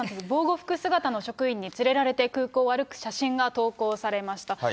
防護服姿の職員に連れられて、空港を歩く写真が投稿されました。